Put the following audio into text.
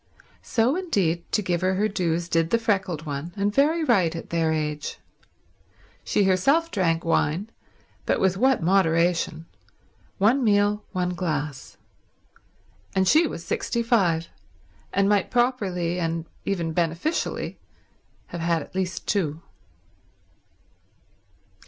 So, indeed, to give her her dues, did the freckled one; and very right at their age. She herself drank wine, but with what moderation: one meal, one glass. And she was sixty five, and might properly, and even beneficially, have had at least two.